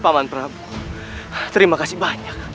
paman prap terima kasih banyak